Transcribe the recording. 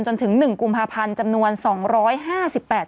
จนถึง๑กุมภาพันธ์จำนวน๒๕๘คน